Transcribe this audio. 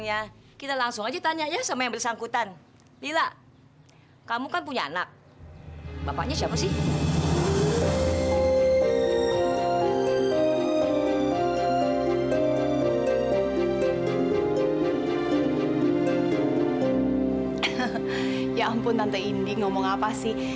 aku ingin dia sebagai anak hatinya sendiri